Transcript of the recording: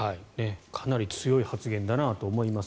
かなり強い発言だなと思います。